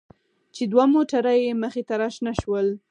چې دوه موټره يې مخې ته راشنه شول.